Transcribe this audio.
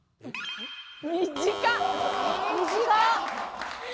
短っ！